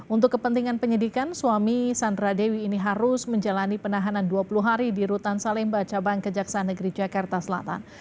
untuk kepentingan penyidikan suami sandra dewi ini harus menjalani penahanan dua puluh hari di rutan salemba cabang kejaksaan negeri jakarta selatan